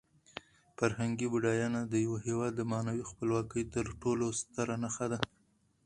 فرهنګي بډاینه د یو هېواد د معنوي خپلواکۍ تر ټولو ستره نښه ده.